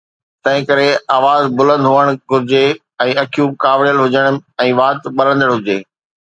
تنهن ڪري آواز بلند هئڻ گهرجي ۽ اکيون ڪاوڙيل هجن ۽ وات ٻرندڙ هجي.